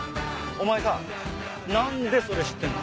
お前さなんでそれ知ってるの？